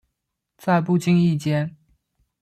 在不经意间